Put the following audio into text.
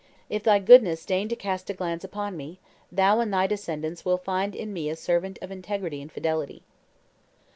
If thy goodness deign to cast a glance upon me, thou and thy descendants will find in me a servant of integrity and fidelity."